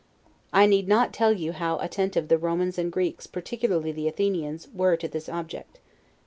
I need not tell you how attentive the Romans and Greeks, particularly the Athenians, were to this object.